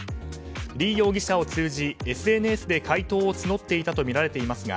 リ容疑者を通じＳＮＳで解答を募っていたとみられますが